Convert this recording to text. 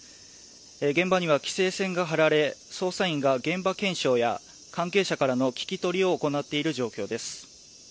現場には規制線が張られ捜査員が、現場検証や関係者からの聞き取りを行っている状況です。